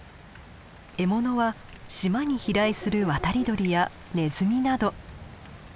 獲物は島に飛来する渡り鳥やネズミなど。